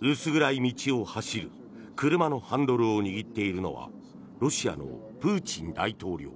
薄暗い道を走る車のハンドルを握っているのはロシアのプーチン大統領。